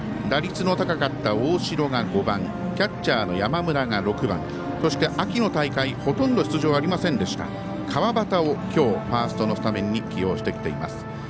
打率の高かった大城が５番キャッチャーの山村が６番そして秋の大会でほとんど出場ありませんでした川端を今日、ファーストのスタメンに起用してきています。